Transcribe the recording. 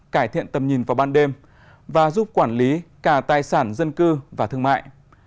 cải thiện tầm nhìn vào ban đêm và giúp quản lý cả tài sản dân cư và thương mại